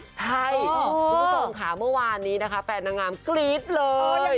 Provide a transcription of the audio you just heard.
ใช่คุณผู้ชมค่ะเมื่อวานนี้นะคะแฟนนางงามกรี๊ดเลย